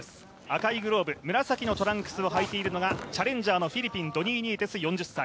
赤いグローブ、紫のトランクスをはいているのがチャレンジャーのフィリピンドニー・ニエテス４０歳。